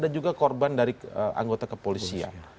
ada juga korban dari anggota kepolisian